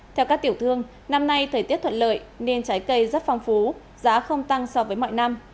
theo các tiểu thương năm nay thời tiết thuận lợi nên trái cây rất phong phú giá không tăng so với mọi năm